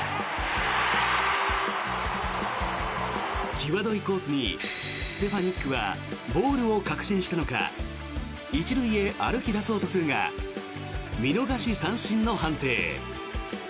際どいコースにステファニックはボールを確信したのか１塁へ歩き出そうとするが見逃し三振の判定。